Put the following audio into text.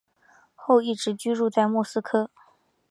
后一直居住在莫斯科。